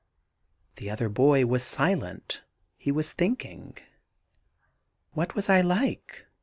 The other boy was silent He was thinking. * What was I like?'